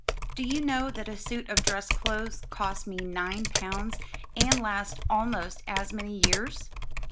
Do you know that a suit of dress clothes costs me nine pounds, and lasts almost as many years?"